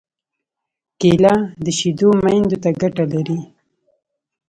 کېله د شېدو میندو ته ګټه لري.